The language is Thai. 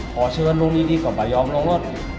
พอเชิญบุ๊งดีก่อโบ๊วย้องนท์